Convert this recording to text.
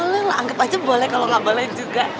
boleh lah anggap aja boleh kalau gak boleh juga